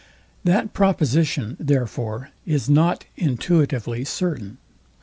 That proposition therefore is not intuitively certain.